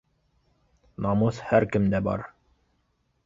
Намыҫ һәр кемдә бар